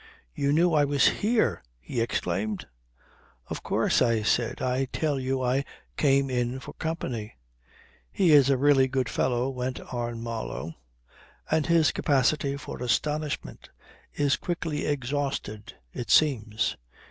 "You knew I was here?" he exclaimed. "Of course," I said. "I tell you I came in for company." "He is a really good fellow," went on Marlow. "And his capacity for astonishment is quickly exhausted, it seems.